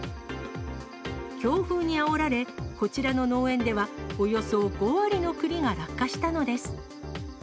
強風にあおられ、こちらの農園では、およそ５割のくりが落下したのです。